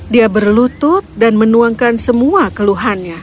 dia berlutut dan menuangkan semua keluhannya